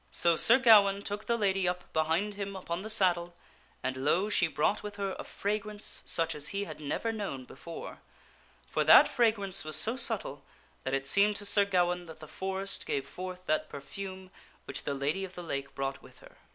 So Sir Gawaine took the lady up behind him upon the saddle, and lo ! she brought with her a fragrance such as he had never known before ; for that fragrance was so subtle that it seemed to Sir Gawaine that the forest gave forth that perfume which the Lady of the Lake brought with her.